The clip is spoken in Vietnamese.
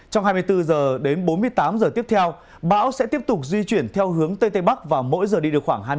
trong hai mươi bốn giờ đến bốn mươi tám giờ tiếp theo bão sẽ tiếp tục di chuyển theo hướng tây tây bắc và mỗi giờ đi được khoảng hai mươi năm km